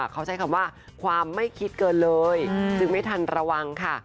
เขาใช้คำว่าความไม่คิดเกินเลยจึงไม่ทันระวังค่ะ